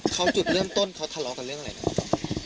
เขาจุดเริ่มต้นเขาทะเลาะกันเรื่องอะไรครับ